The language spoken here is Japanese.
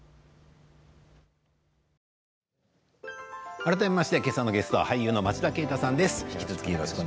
改めましてけさのゲストは俳優の町田啓太さんです。